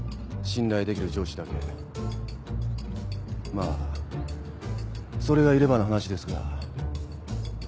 まあそれがいればの話ですが。